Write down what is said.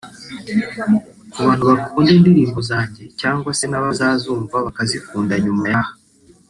Ku bantu bakunda indirimbo zanjye cyagwa se n’abazazumva bakazikunda nyuma y’aha